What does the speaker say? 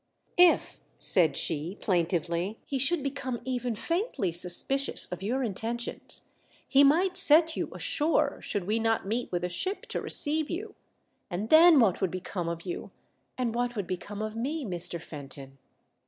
"If," said she, plaintively, "he should become even faintly suspicious of your inten tions, he might set you ashore, should we not meet with a ship to receive you, and then what would become of you, and what would become of me, Mr. Fenton